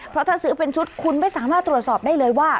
เพราะถ้าซื้อเป็นชุดคุณไม่สามารถตรวจสอบได้เลยว่า